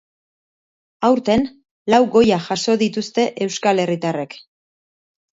Aurten, lau goya jaso dituzte euskal herritarrek.